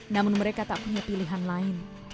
namun mereka tak punya pilihan lain